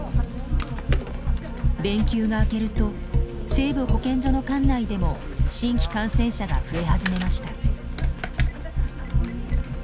連休が明けると西部保健所の管内でも新規感染者が増え始めました。